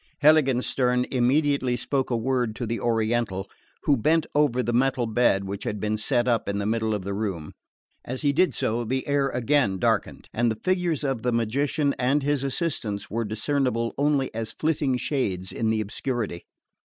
Heiligenstern immediately spoke a word to the Oriental, who bent over the metal bed which had been set up in the middle of the room. As he did so the air again darkened and the figures of the magician and his assistants were discernible only as flitting shades in the obscurity.